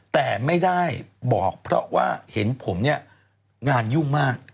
แต่ไม่ได้บอกเพราะว่าเห็นผมเนี่ยงานยุ่งมาก